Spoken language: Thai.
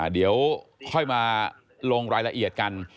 เดี๋ยวค่อยมาลงรายละเอียดกัน